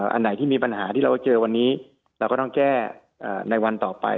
อันไหนที่มีปัญหาที่เราเจอวันนี้เราก็ต้องแก้ในวันต่อไป